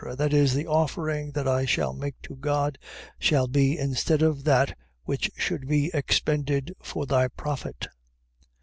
.That is, the offering that I shall make to God, shall be instead of that which should be expended for thy profit.